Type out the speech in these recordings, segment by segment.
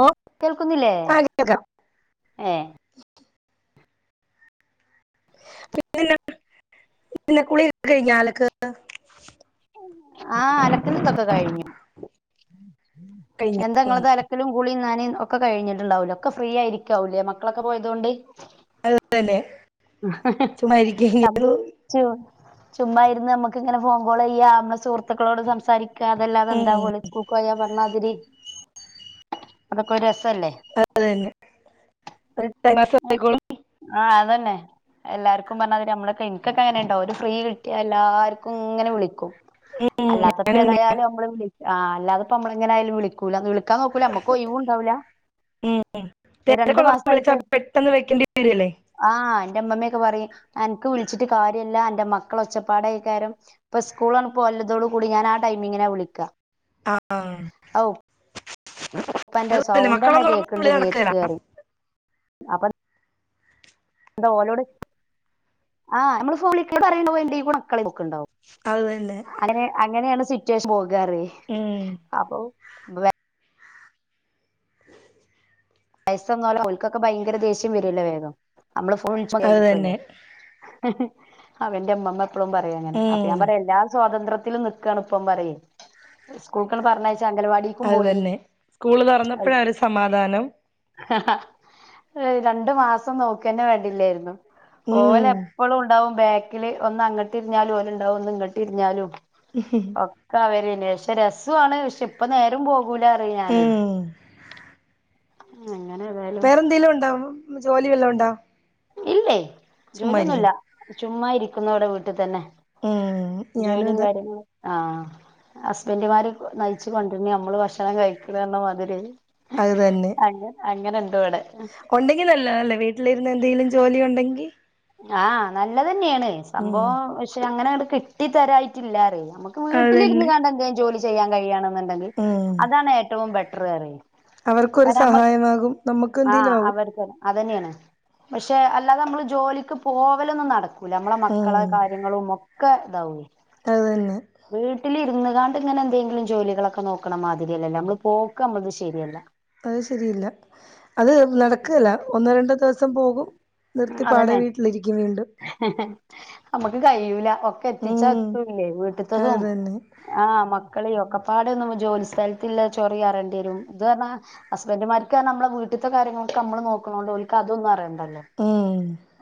ഓ കേൾക്കുന്നില്ലേ ആ കേൾക്കാം ഏഹ് പി പി [unintelligible] ന്ന കുളിക കഴിഞ്ഞ അലക്ക് ആഹ് അലക്കലും തൊക്കെ കഴിഞ്ഞു, കഴിഞ്ഞു ഉം. എന്താങ്ങളത് അലക് ക്കലും കുളിയും നനയും ഒക്കെ കഴിഞ്ഞിട്ടുണ്ടാവുല്ലോ, ഒക്കെ ഫ്രീ ആയിരിക്കാവുല്ലേ മക്കളൊക്കെ പോയതോണ്ട്. അത് തന്നെ ഹഹഹ ചുമ്മാ ഹയ്യ് നാം ഇരിക്കുന്നു ചു ചുമ്മയിരുന്ന് നമ്മുക്ക് ഇങ്ങനെ ഫോൺ കോൾ ചെയ്യാ നമ്മളാ സുഹൃത്തുക്കളോട് സംസാരിക്. ക്കാ അതല്ലാതെ എന്താ പോലെ. സ്കൂൾക്കോയാ പർഞ്ഞാതിരി അതൊക്കെ ഒരു രസല്ലേ. അത് തന്നെ. ഒര് ടൈം പാസ്സായിക്കോളും ആഹ് അതന്നെ എല്ലാർക്കും പറഞ്ഞാ മാതിരി നമ്മളൊക്കെ എനിക്കൊക്കെ അങ്ങനാട്ടോ ഒരു ഫ്രീ കിട്ടിയാ എല്ലാർക്കും ഇങ്ങനെ വിളിക്കും. ഉം, അല്ലാത്തപ്പോ ഞാനും ഇങ്ങനെയാ ഏതായാലും നമ്മള് വിളി ആഹ് അല്ലാതപ്പം നമ്മളെങ്ങനായാലും വിളിക്കൂല്ല. ഒന്ന് വിളിക്കാൻ നോക്കൂല്ല. നമ്മക്ക് ഒയിവും ഉണ്ടാവൂല്ല. ഉം ഉം തെരക്കുള്ളപ്പോ വിളിച്ചാ പെട്ടെന്ന് വെക്കേണ്ടി വരൂല്ലേ. ആഹ് എന്റെ അമ്മമ്മയൊക്കെ പറയും. എനക്ക് വിളിച്ചിട്ട് കാര്യല്ല എന്റെ മക്കള ഒച്ചപ്പാട കേക്കാരം. ഇപ്പൊ സ്കൂൾ അണുപ്പോവല്ലതോടു കൂടി ഞാനാ ടൈമിങ്ങിനാ വിളിക്ക. ആ അവു അത് കുഴപ്പം ഇല്ല മക്കളൊന്നും ഉള്ളപ്പോ വിളി നടക്കേല്ല. അപ്പ എന്താ ഓലോട് ആഹ് നമ്മള് [inaudible] പറയണ് പോലീ [inaudible] മക്കള് [unintelligible] ക്കുണ്ടാവും അത് തന്നെ അങ്ങനെ അങ്ങനെയാണ് സിറ്റുവേഷൻ പോകാറ്. ഉം അപ്പോ [unintelligible] വയസ്സാംകാലം അവൽക്കൊക്കെ ഭയങ്കര ദേഷ്യം വരൂല്ലേ വേഗം നമ്മള് ഫുൾ അത് തന്നെ ചൊകയാരിക്കുമല്ലോ ആഹ് എന്റെ അമ്മമ്മ എപ്പഴും പറയും അങ്ങനെ അപ്പൊ ഉം, ഞാൻ പറയും എല്ലാ സ്വാതന്ത്ര്യത്തിലും നി ക്കാണ്പ്പം പറയ്യേ സ്കൂൾക്കങ്ങട് പറഞ്ഞയച്ചാ അംഗലവാടി അത് തന്നെ സ്കൂള് തൊറന്നപ്പഴാ ഒരു സമാധാനം. രണ്ടു മാസം നോക്കന്ന വേണ്ടില്ലാരുന്നു. ഉം. ഓലെപ്പളും ഉണ്ടാവും ബാക്കില് ഒന്ന് അങ്ങട്ട് ഇരിഞ്ഞാലും ഓന്ണ്ടാവും ഒന്ന് ഇങ്ങട്ട് ഇരിഞ്ഞാലും. ഉഹ്ഹ ഒക്കെ അവരന്നേ പക്ഷെ രസമാണ് പക്ഷെ ഇപ്പ നേരും പോകൂല അറേം ഞാന്. ഉം. അങ്ങനെ ഏതായാലും വേറെന്തേലും ഉണ്ടോ ജോലി വല്ലോം ഉണ്ടോ? ഇല്ലേ ചുമ്മാ ഇരിക്കുന്നു ജോലിയൊന്നൂല്ല ചുമ്മാ ഇരിക്കുന്നു ഇവിടെ വീട്ടി തന്നെ ഉം ഞാനും ജോലീം അത് കാര്യങ്ങളും ആഹ് ഹസ്ബൻഡുമാര് നയിച്ചു കൊണ്ടരുന്ന് നമ്മള് ഭക്ഷണം കഴിക്കുക എന്ന മാതിരിയായി അത് അങ് അങ്ങനെ ഇണ്ട് ഇവിടെ കൊണ്ടെങ്കി നല്ലതാല്ലേ വീട്ടിലിരുന്ന് എന്തെങ്കിലും ജോലി ഒണ്ടെങ്കി ആഹ് നല്ലതന്നെയാണ് ഉം സംഭവം പക്ഷെ അങ്ങനെ അങ്ങട് കിട്ടി തരായിട്ടില്ലാറ് നമുക് ക്ക് അത് വീട്ടിലിരുന്ന് തന്നെ കാണ്ട് എന്തേലും ജോലി ചെയ്യാൻ കഴിയാണെന്നുണ്ടെങ്കി ഉം അതാണ് ഏറ്റവും ബെറ്റർ പറയേം അവർക്കൊരു സഹായമാകും ആഹ് നമുക്കുന്തേലും ആകും അവർക്ക് അതന്നെയാണ് പക്ഷെ അല്ലാതെ നമ്മള് ജോലിക്ക് പോവലൊന്നും നടക് ക്കുല മ്മളെ മക്കളെ ഉം കാര്യങ്ങളുമൊക്കെ ഇതാവും അത് തന്നെ വീട്ടിലിരുന്ന്കാണ്ട് ഇങ്ങനെ എന്തെങ്കിലും ജോലികളൊക്കെ നോക്കണ മാതിരിയല്ലല്ലേ നമ്മള് പോക്ക് നമ്മളത് ശരിയല്ല അത് ശരിയില്ല അത് നടക്കേല ഒന്നോ രണ്ടോ ദിവസം പോകും നിർത്തി പാടേ വീട്ടിലിരിക്കും വീണ്ടും അമ്മക്ക് കയ്യൂല ഒക്കെ എത്തിച്ചാ ഉം എത്തൂല്ലേ അത് വീട്ട്ത്തതും തന്നെ ആഹ് മക്കള് ഒക്കെപ്പാടെ ഒന്നും ജോലി സ്ഥലത്തില്ല ചൊറിയാറേണ്ടി വരും ഇത് പറഞ്ഞാ ഹസ്ബൻഡുമാർക്ക് നമ്മളെ വീട്ട്ത്തെ കാര്യങ്ങളൊക്കെ അമ്മള് നോക്കണോണ്ട് ഓൽക്ക് അതൊന്നും അറിയണ്ടല്ലോ ഉം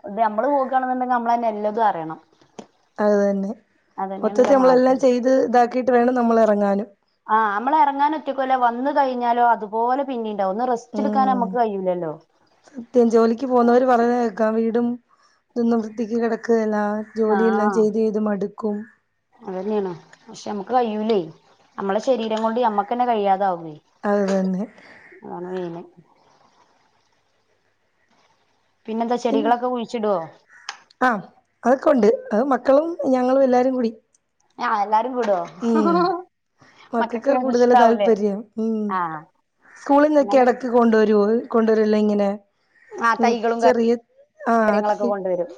ഇത് നമ്മള് നോക്കുകയാണെന്നുണ്ടെങ്കി നമ്മളന്നെ എല്ലാതും അറിയണം അത് തന്നെ മൊത്തത്തി അതന്നെയാണല്ലോ നമ്മളെല്ലാം മാറ്റം ചെയ്ത് ഇതാക്കീട്ട് വേണം നമ്മളെറങ്ങാനും ആഹ് അമ്മളെറങ്ങാൻ ഒറ്റക്കൂല്ലേ വന്നു കഴിഞ്ഞാലോ അതുപോലെ പിന്നേണ്ടാവും ഒന്ന് റെസ് റ്റെടുക്കാൻ ഉം അമ്മക്ക് കയ്യൂല്ലല്ലോ സത്യം ജോലിക്ക് പോന്നവര് പറയുന്ന കേക്കാം വീടും ഇതൊന്നും വൃത്തിക്ക് കെടക്കുകേല ജോലിയെല്ലാം ചെയ്ത് ചെയ്ത് മടുക്കും അത് തന്ന്യാണ് പക്ഷെ അമ്മുക്ക് കയ്യൂലേയ് അമ്മളെ ശെരീരം കൊണ്ട് ഞമ്മക്കെന്നെ കഴിയാതാവൂ യ് അത് തന്നെ അതാണ് വെയില് പിന്നെന്താ ചെടികളൊക്കെ കുഴിച്ചിടോ? അഹ്, അതൊക്കെ ഉണ്ട് അത് മക്കളും ഞങ്ങളും എല്ലാരും കൂടി ഏഹ് എല്ലാരും കൂടോ? മക്കക്ക് കൂടുതല് താല്പര്യം. ഉം ആഹ് സ്കൂളിൽന്നൊക്കെ അങ്ങനെ എടക്ക് കൊണ്ടുവരുവോ കൊണ്ടുവരുല്ലയിങ്ങനെ ആ ഉം ചെറിയ ആഹ് തൈ പ്പവെരും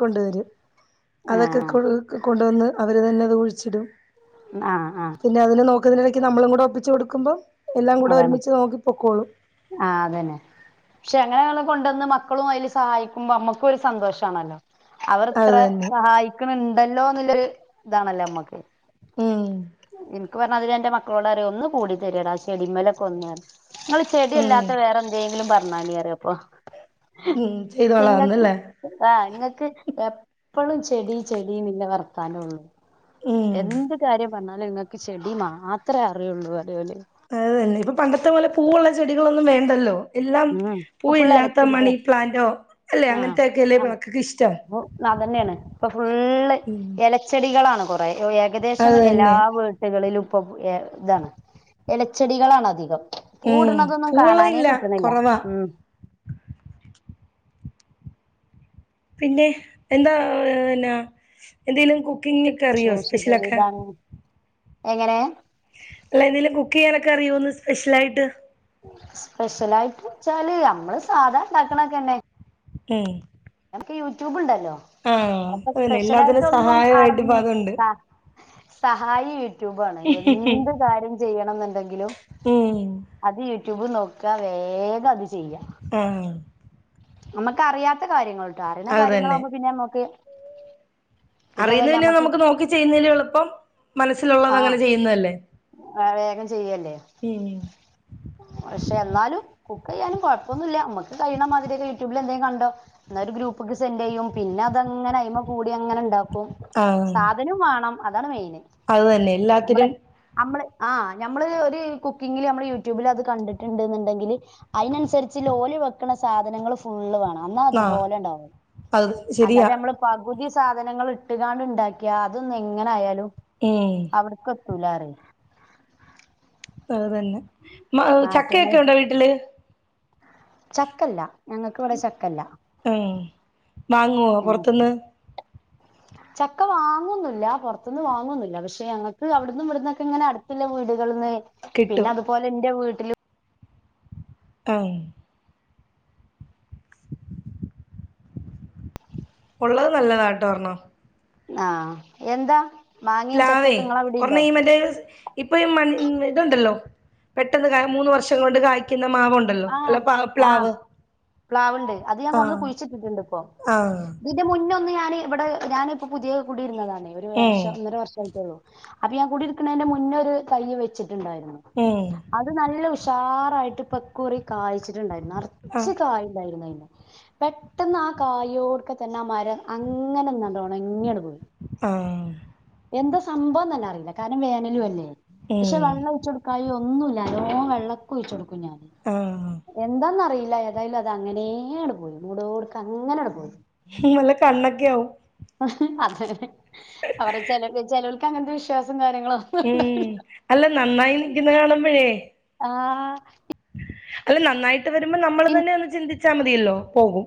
കൊണ്ടുവെരും. അതൊക്കെ കൊ കൊണ്ടുവന്ന് അവര് തന്നെ ത് കുഴിച്ചിടും. ആഹ് ആഹ് പിന്നെ അതിന് നോക്കുന്നതിനെടയ്ക്ക് നമ്മളും കൂടെ ഒപ്പിച്ച് കൊടുക്ക്മ്പം എല്ലാം കൂടെ ഒരുമിച്ച് നോക്കി പൊക്കോളും ആഹ് അതന്നെ പക്ഷെ അങ്ങനെള്ളെ കൊണ്ടുന്ന് മക്കളും അയില് സഹായിക്കുമ്പോ അമ്മക്കും ഒരു സന്തോഷാണല്ലോ അവർ അത് ഇത്രെ തന്നെ സഹായിക്ക്ണ് ണ്ടല്ലോന്ന്ല്ലരു താണല്ലോ അമ്മക്ക് ഉം ഇൻക്ക് പർഞ്ഞാതിരി എൻ്റെ മക്കളോടറിം ഒന്ന് കൂടിതെര്യടാ ചെടിമേലൊക്കൊന്ന് ങ്ങള് ഉം ചെടിയല്ലാത്ത വേറെ എന്തേങ്കിലും പർഞ്ഞാണീ അറിയപ്പൊ. ഉം ചെയ്തോളാന്നല്ലേ ആഹ് ങ്ങക്ക് എപ്പളും ചെടി ചെടിന്ന്ല്ലെ വർത്താനൊള്ളൂ ഉം എന്ത് കാര്യം പർഞ്ഞാലും ങ്ങക്ക് ചെടി മാത്രേ അറിയൊള്ളൂ അതേപോലെ അതെന്നെ, ഇപ്പൊ പണ്ടത്തെ പോലെ പൂവുള്ളെ ചെടികളൊന്നും വേണ്ടല്ലോ എല്ലാം ഉം ഇപ്പൊ ഫുള്ള് പൂവില്ലാത്ത ഇലച്ചെടികളാ മണീ പ്ലാന്റോ അല്ലേ അങ്ങൻത്തെയക്കെല്ലേ യിപ്പം മക്കക്ക് ഇഷ്ടം ന്നഅതന്നെണ് ഇപ്പൊ ഫുള്ള് ഉം ലച്ചെടികളാണ് കുറേ യോ ഏകദേശം അത് എല്ലാ തന്നെ വീ ട് കളിലും പ്പം ഏഹ് താണ് എലച്ചെടികളാണധികം. ഉം പൂവ്ട്ണതൊന്നും കാണാനേ പൂവുള്ളതില്ല കിട്ട്ണില്ല. കുറവാ പിന്നെ എന്താ ഏഹ് നാ എന്തെലും കുക്കിംഗെക്കെ അറിയോ ശുശ്രൂഷ സ്പെഷ്യലെക്കെ ചെയ്താണ് എങ്ങനെ അല്ല എന്തേലും കുക്കെയ്യാനൊക്കെ അറിയോന്ന് സ്പെഷ്യലായിട്ട് സ്പെഷ്യലായിട്ട് ച്ചാല് അമ്മള് സാധാ ണ്ടാക്ക്ണൊക്കെന്നെ ഏഹ് എനക്ക് യൂട്യൂബ്ണ്ടല്ലോ അപ്പോ അതന്നെ സ്പെഷ്യലായിട്ട് എല്ലാത്തിനും ഒന്നും സഹായമായിട്ട് ഇപ്പ അതുണ്ട് അറിഞ്ഞിട്ടാ സഹായി യൂട്യൂബാണ്. എന്ത് കാര്യം ചെയ്യണം എന്തെങ്കിലും ഉം അത് യൂട്യൂബ് നോക്ക വേഗം അത് ചെയ്യാ ഉം നമ്മക്കറിയാത്ത കാര്യങ്ങൾട്ടോ അറിണ അത് തന്നെ കാര്യങ്ങളാവുമ്പോ പിന്നെ അമ്മുക്ക് അറിയുന്ന പിന്നെ നമുക്ക് നോക്കി ചെയ്യുന്നതിലും എളുപ്പം മനസ്സിലുള്ളതങ്ങനെ ചെയ്യുന്നതല്ലേ. ആഹ് വേഗം ചെയ്യല്ലേ ഉം പക്ഷെ എന്നാലും കുക്കെയ്യാലും കൊഴപ്പൊന്നുല്ല്യ മ്മക്ക് കഴിയണ മാതിരിയൊക്കെ യൂട്യൂബിലെന്തെം കണ്ടോ ന്നാ ഒരു ഗ്രൂപ്പ്ക്ക് സെൻ്റെയ്യും പിന്നെ അതങ്ങനെ അയിമ കൂടിയങ്ങനെണ്ടാക്കും. ആഹ് അതിനും വാണം അതാണ് മെയിന് അത് തന്നെ നമ്മള് എല്ലാത്തിനും നമ്മള് ആ ഞമ്മള് ഒരു കുക്കിങ്ങില് ഞമ്മള് യൂട്യൂബിലത് കണ്ട്ട്ട്ണ്ട്ന്ന്ണ്ടെങ്കില് അയ്നൻസരിച്ച്ല്ലോല് വെക്ക്ണ സാധനങ്ങളും ഫുള്ള് വേണം ന്നാ ആഹ് അതുപോലെ ണ്ടാവും അത് ശരിയാ അല്ലാതെമ്മള് പകുതി സാധനങ്ങള് ഇട്ട്കാണ്ട് ണ്ടാക്ക്യ അതൊന്ന് എങ്ങനായാലും ഏഹ് അവ്ട്ക്കെത്തൂലാറിം അതെന്നെ മ നാറ്റങ്ങൾ ചക്കയൊക്കെണ്ടോ വീട്ടില് ചക്കല്ല ഞങ്ങക്ക് വടെ ചക്കല്ല ഉം വാങ്ങുവോ പുറത്തുന്ന് ചക്ക വാങ്ങൊന്നുല്ല പൊർത്ത്ന്ന് വാങ്ങൊന്നുല്ല പക്ഷെ ഞങ്ങക്കവ്ട്ന്നും ഇവിട്ന്നൊക്കെങ്ങനെ അട്ത്ത്ള്ള വീട്കൾന്ന് കിട്ടും പിന്നെ അതുപോലെ ഇന്റെ വീട്ട്ലും ഏ ഒള്ളത് നല്ലതാട്ടോ ഒര്ണ്ണം ആഹ് എന്താ മാങ്ങയും പ്ലാവെ ചക്കയൊക്കെ ഇങ്ങളെ അവിടിണ്ടോ ഒർണീമറ്റെ ഇപ്പീ മൺ ഇതുണ്ടല്ലോ പെട്ടെന്ന് മൂന്ന് വർഷം കൊണ്ട് കായ്ക്കുന്ന മാവൊ ആഹ് ആഹ് പ്ലാവ്ണ്ട് അത് ഞാൻ കൊണ്ടന്ന് ആഹ് കുഴിച്ചിട്ടിട്ട്ണ്ട് പ്പൊ ആഹ് ഇതിന്റെ മുന്നൊന്ന് ഞാൻ ഇവടെ ഞാനിപ്പോ പുത്യേത് കുടിര്ന്നതാണെ ഒരു ഏഹ് വർഷം ഒന്നര വർഷമായിട്ടൊള്ളു അപ്പൊ ഞാൻ കുടിയിരിക്ക്ണേന്റെ മുന്നൊരു തയ്യ് വെച്ച്ണ്ടായിര്ന്നു ഏ അത് നല്ല ഉഷാറായിട്ട് ഇപക്കുറി കായ്ച്ചിട്ടുണ്ടായിരുന്നു നർച്ച് ആഹ് കായ്ണ്ടായിര്ന്നു അയ്മ്മേ പെട്ടെന്ന് ആ കായോട്ക്കെത്തെന്നാ മരം അങ്ങനണ്ടൊണങ്ങിയണ്ട് പോയി ആഹ് എന്താ സംഭവം തന്നറില്ല കാരണം വേനലും അല്ലേ പക്ഷെ ഏഹ് വെള്ളൊയ്ച്ചൊട് ക്കായ് ഒന്നുല്ല നല്ലോം വെള്ളൊക്കൊയ്ച്ചൊടുക്കും ഞാൻ ആഹ് എന്താന്നറില്ല ഏതായാലും അത് അങ്ങനെ അണ്ട് പോയി മുടോട്ക്കെ അങ്ങനണ്ട് പോയി ഇനി വല്ല കല്ലൊക്കാവും അതെന്നെ അവരെ ചെലവ് ചെലോൽക്കങ്ങൻത്തെ വിശ്വാസം കാര്യങ്ങളൊ ഉം അല്ല നന്നായി നിക്കുന്ന കാണുമ്പഴേ ആഹ് അല്ല നന്നായിട്ട് വെരുമ്പോ നമ്മൾ തന്നെ ഒന്ന് ചിന്തിച്ചാ മതിയല്ലോ പോകും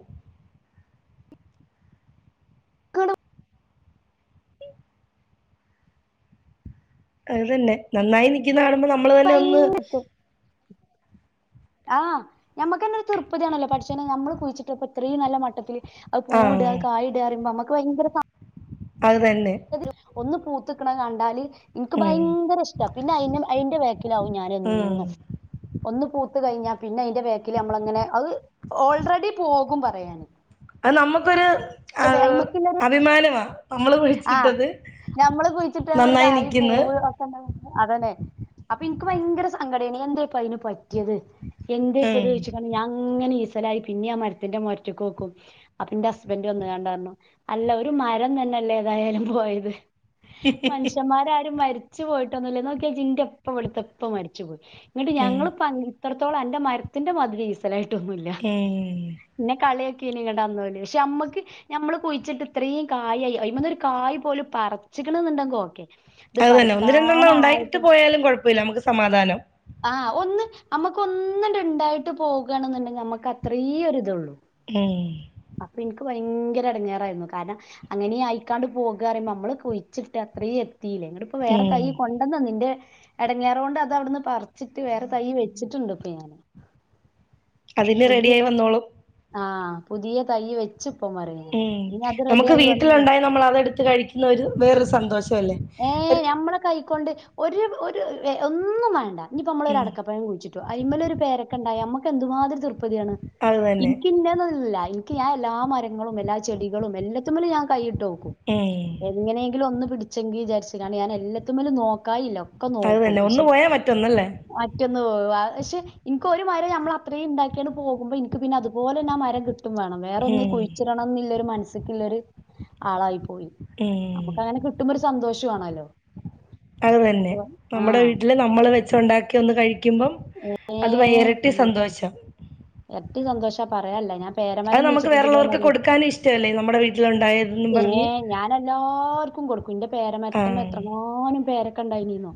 ആണോ അത് തന്നെ നന്നായി നിക്ക്ന്ന കാണുമ്പോ നമ്മള് തന്നെ ഒന്ന് ആഹ് ഞമ്മക്കെന്നൊര് തൃപ്പതിയാണല്ലോ പടച്ചോനെ നമ്മള് കുഴിച്ചിട്ടപ്പത്രീം നല്ല മട്ടത്തില് ആഹ് പൂടാ കായ്ട ർയുമ്പോ ഞമ്മക്ക് ഭയങ്കര സന്തോ അത് തന്നെ ഒന്ന് പൂത്ത്ക്ക്ണ കണ്ടാല് ഇൻക്ക് ഉം ഭയങ്കര ഇഷ്ട പിന്നെ അയി അയ്ന്റെ വേക്കിലാവും ഉം ഞാനെന്നും ഒന്ന് പൂത്ത് കയ്ഞ്ഞാ പിന്നയ്ന്റെ ബേക്കില് നമ്മളങ്ങനെ അത് ഓൾറെഡി പോകും പറയാന് അത് നമ്മക്കൊര് അയിമക്കില്ലൊരു അഭിമാനമാ നമ്മള് ആഹ് കുഴിച്ചിട്ടത് ഞമ്മള് കുഴിച്ചിട്ടേമ്മൊര് നന്നായി കായ് നിക്ക്ന്ന് പൂവ് ഒ അതെന്നെ അപ്പൊ ഇൻക്ക് ഭയങ്കര സങ്കടേനി എന്തെ പ്പയ്ന് പറ്റ്യേത് എന്ത ഇപ്പൊ ഇത് ഉം ചോദിച്ച ഞാൻ അങ്ങനെ ഈസലായി പിന്നെ ആ മരത്തിന്റെ മരയ്ക്ക് നോക്കും അപ്പന്റെ ഹസ്ബൻഡ് വന്ന്ങ്ങാണ്ട് പറഞ്ഞു അല്ല ഒരു മരം തന്നെല്ലേ ഏതായാലും പോയത് മനുഷ്യന്മാരാരും മരിച്ചു പോയിട്ടൊന്നുല്ലേ നോക്കിയാ ജിൻന്റെ ഇപ്പ ഇവിടത്തെ ഇപ്പ മരിച്ചു പോയി ന്നിട്ട് ഉം ഞങ്ങളിപ്പ ഇത്രത്തോളം അന്റെ മരത്തിന്റെ മതിരി ഈസലായിട്ടൊന്നുമില്ല ഏ പിന്നെ കളിയാകിനി അന്നോല് പക്ഷെ അമ്മക്ക് ഞമ്മള് കുഴിച്ചിട്ട് ഇത്രയും കായിയായി അയ്മന്ന് ഒരു കായ് പോലും പറച്ചിക്കണന്നുണ്ടെങ്കി ഓക്കെ ഇത് അത് തന്നെ ഒന്ന് രണ്ടെണ്ണം പറിക്കാനായപ്പോ ഉണ്ടായിട്ട് പോയാലും കുഴപ്പമില്ല നമുക്ക് സമാധാനം ആഹ് ഒന്ന് നമ്മുക്ക് ഒന്ന്ണ്ട് ഇണ്ടായിട്ട് പോകണെന്നുണ്ടെങ്കിൽ നമ്മുക്ക് അത്രേ ഒരിതള്ളൂ ഇമ് അപ്പൊ ഇനിക്ക് ഭയങ്കര എടങ്ങേറായിരുന്നു കാരണം അങ്ങനെ ആയിക്കാണ്ട് പോകറിയുമ്പോ നമ്മള് കുഴിച്ചിട്ട് അത്രയും എത്തിയില്ലേ നിട്ട്പ്പ വേറെ ഉം തൈ കൊ അവിടെന്ന നിന്റെ എടങ്ങെറ് കൊണ്ട് അത് അവിടുന്ന് പറിച്ചിട്ട് വേറെ തൈ വെച്ചിട്ടുണ്ട് ഇപ്പൊ ഞാന് അതിനി റെഡി പുതിയ ആയി വന്നോളും ആഹ് പുതിയ തൈ വെച്ചുപ്പ മരനെ ഇനി അത് റെഡി ആയി വന്ന് നമ്മള് അതെടുത്ത് കഴിക്കുന്ന ഒരു വേറൊരു സന്തോഷം അല്ലേ ഏഹ് ഞമ്മളെ കൈക്കൊണ്ട് ഒരു ഒന്നും വേണ്ട ഇനിയിപ്പോ നമ്മളൊ ഒരു ഉം അടക്ക്കാപ്പഴം കുഴിച്ചിട്ട ച്ചിട്ടു അയിമ്മേ ഒരു പേരക്ക ഇണ്ടായ നമ്മക്ക് എന്തുമാതിരി തൃപതിയാണ് അത് തന്നെ ഇനിക്ക് ഇന്നത് നൊന്നും ഇല്ല ഞാൻ എല്ലാ മരങ്ങളും എല്ലാ ചെടികളും എല്ലാത്തമ്മലും ഞാൻ കൈയിട്ട് നോക്കും ഏഹ് ഏ എങ്ങനെയെങ്കിലും ഒന്ന് പിടിച്ചെങ്കിൽ വിചാരിച്ച്കാണ്ട് ഞാൻ എല്ലതിൻമേലും നോകായില്ല അത്ത്തന്നെ ഒന്ന് പോയാൻ മറ്റൊന്ന്ല്ലേ പക്ഷെ ഇനിക്ക് ഒരു മരം നമ്മൾ അത്രയും ഇണ്ടാക്കിയാണ് പോകുമ്പോ ഇനിക്ക് പിന്ന്നെ അതുപോലെന്നെ ആ മരം കിട്ടും വേണം വേറൊന്ന് ഉം കുഴിച്ചിടണം ന്നില്ലരു മനസ്സിക്കുള്ളൊരു ആളായി പോയി ഏഹ് അങ്ങനെ കിട്ടുമ്പോ ഒരു സന്തോഷംമാണല്ലോ അതു തന്നെ നമ്മുടെ വീട്ടിൽ നമ്മൾ വെച്ച് ഉണ്ടാക്കി ഒന്ന് കഴിക്കുമ്പം ഏ അത് ഭയ ഇരട്ടി അമ്മക്കാണ് സന്തോഷം എരട്ടി സന്തോഷാ പറയാല്ല ഞാൻ അത് പേരമരം നമുക്ക് കുഴിച്ചിട്ടിട്ട് ഇതേമാതിരി വേറുള്ളവർക്ക് കൊടുക്കാനും ഇഷ്ടമല്ലേ നമ്മുടെ വീട്ടിലുണ്ടായതെന്നും പറഞ്ഞ് എല്ലാർക്കും കൊടുക്കും ഇന്റെ ആ പേരമരത്തിൻമേ എത്രങ്ങാനും പേരക്ക ഇണ്ടായിന്നറിയോ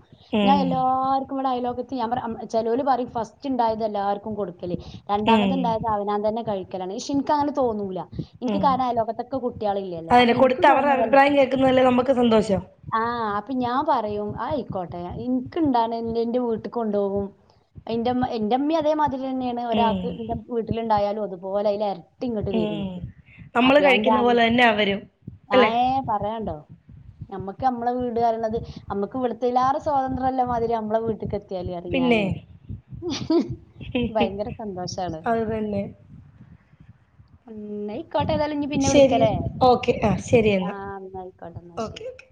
ഞാൻ ഉം എല്ലാർക്കും ഇവിടെ അയലോകത്ത് ഞാൻ പറയാ ചെലോല് പറ ഫസ്റ്റ് ഇണ്ടായത് എല്ലാർക്കും കൊടുക്കും രണ്ടാമത് ഉം ഇണ്ടായത് അവനാൻ തന്നെ കഴിക്കലാണ് ഷേ ഇൻക്ക് അങ്ങനെ തോന്നൂല്ല എനിക്ക് ഉം കാരണായ അയാലോകതോകെ ലോകത്തൊക്കെ കുട്ടികളില്ലേ അതന്നെ അപ്പൊ ഇനിക്ക് കൊടുത്ത് തോന്ന അവരുടെ അഭിപ്രായം കേൾക്കുന്നതല്ലേ നമുക്ക് സന്തോഷം ആഹ് അപ്പൊ ഞാൻ പറയും ആയിക്കോട്ടെ ഇൻക്ക് ഇണ്ടാണ് എന്റെ വീട്ട്ക്ക്‌ കൊണ്ടോകും എന്റെമ്മ എന്റെ ഇമ്മ അതേമാതിരി തന്നെയാണ് ഉം. ഒരാൾക്ക് എ വീട്ടിലുണ്ടായാലും അതുപോലെ അതില് എരട്ടി ട്ടി ഇങ്ങട്ട് തരും ഉം. ഇന്ക് നമ്മള് അപ്പൊ ഞാൻ ഇന്റെ കഴിക്കുന്ന പോലെ തന്നെ അവരും ആ അല്ലെ ഏഹ് പറയാണ്ടോ നമ്മക്ക് നമ്മളെ വീട് അറീണത് നമ്മുക്ക് ഇവിടത്തീലേറെ സ്വാതന്ത്ര ഇല്ലേ മാതിരി നമ്മളെ വീട്ട പിന്നെ ഞാനെ ഭയങ്കര സന്തോഷാണ് അത് തന്നെ ഇന്നയിക്കോട്ടെ ഏതായാലും ഇഞ്ഞ് പിന്നെ ശരി വിളിക്കലേ ഓക്കെ ആ ശരി എന്നാ ആഹ് ഇന്നാ ആയിക്കോട്ടെ ഇന്നാ ഓക്കെ ശെരി ഓക്കെ